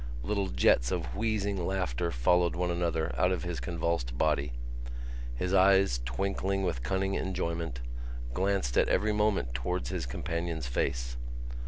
Little jets of wheezing laughter followed one another out of his convulsed body. His eyes, twinkling with cunning enjoyment, glanced at every moment towards his companion's face.